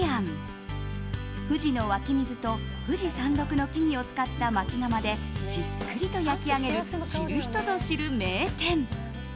富士の湧き水と、富士山麓の木々を使ったまき窯でじっくりと焼き上げる知る人ぞ知る名店。